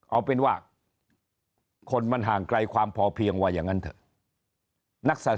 เอาเป็นว่าคนมันห่างไกลความพอเพียงว่าอย่างนั้นเถอะ